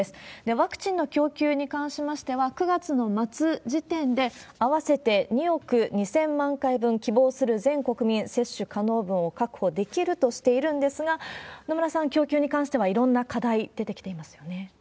ワクチンの供給に関しましては、９月の末時点で、合わせて２億２０００万回分希望する全国民接種可能分を確保できるとしているんですが、野村さん、供給に関してはいろんな課題出てきていますよね。